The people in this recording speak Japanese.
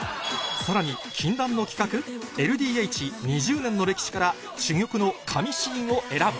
さらに禁断の企画⁉ＬＤＨ２０年の歴史から珠玉の神シーンを選ぶ